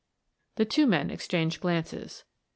The two men exchanged glances.